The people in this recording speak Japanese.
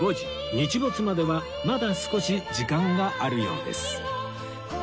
日没まではまだ少し時間があるようです